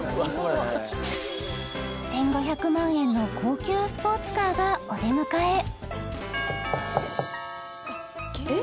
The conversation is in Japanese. １５００万円の高級スポーツカーがお出迎ええ？